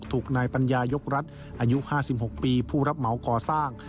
ถูกนายปัญญายกรัฐอายุ๕๖ปีผู้รับเหมาก่อสร้าง